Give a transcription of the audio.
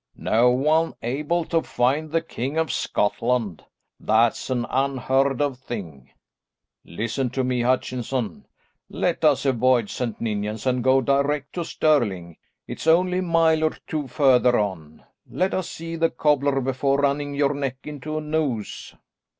"No one able to find the King of Scotland? That's an unheard of thing." "Listen to me, Hutchinson. Let us avoid St. Ninians, and go direct to Stirling; it's only a mile or two further on. Let us see the cobbler before running your neck into a noose."